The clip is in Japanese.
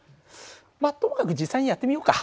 まっともかく実際にやってみようか。